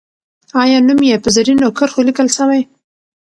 آیا نوم یې په زرینو کرښو لیکل سوی؟